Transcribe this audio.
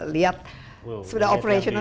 lihat sudah operasional